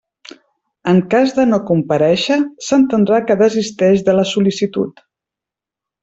En cas de no comparèixer, s'entendrà que desisteix de la sol·licitud.